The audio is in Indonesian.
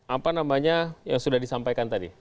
apa namanya yang sudah disampaikan tadi